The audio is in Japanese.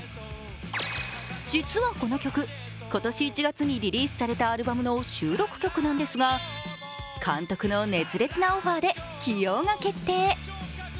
実はこの曲、今年１月にリリースされたアルバムの収録曲なんですが監督の熱烈なオファーで起用が決定。